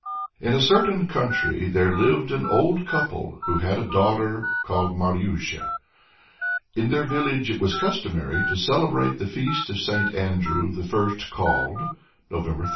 In a certain country there lived an old couple who had a daughter called Marusia (Mary). In their village it was customary to celebrate the feast of St. Andrew the First Called (November 30).